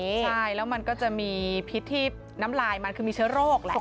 ใช่แล้วมันก็จะมีพิษที่น้ำลายมันคือมีเชื้อโรคแหละ